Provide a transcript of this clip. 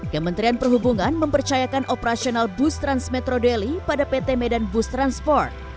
kementerian perhubungan mempercayakan operasional bus transmetro deli pada pt medan bus transport